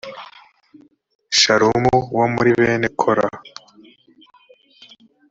shalumu a wo muri bene kora